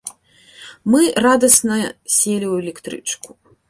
Мы радасныя селі ў электрычку.